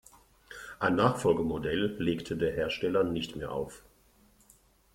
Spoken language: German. Ein Nachfolgemodell legte der Hersteller nicht mehr auf.